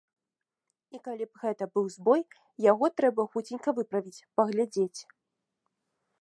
І калі б гэта быў збой, яго трэба хуценька выправіць, паглядзець.